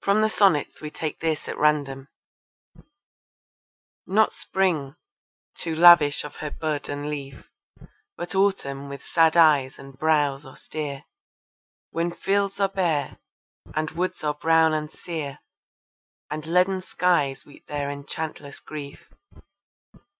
From the sonnets we take this at random: Not Spring too lavish of her bud and leaf But Autumn with sad eyes and brows austere, When fields are bare, and woods are brown and sere, And leaden skies weep their enchantless grief.